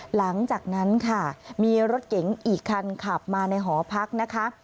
หลังจากนั้นค่ะมีรถเก๋งอีกคันขับมาในหอพักนะคะ